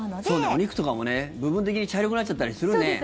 お肉とかも部分的に茶色くなっちゃったりするね。